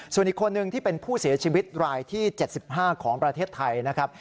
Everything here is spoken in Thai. ส่วนอีกคนนึงที่เป็นผู้เสียชีวิตรายที่๗๕ของประเทศไทยนะครับ